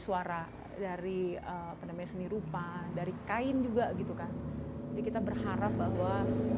suara dari apa namanya seni rupa dari kain juga gitu kan jadi kita berharap bahwa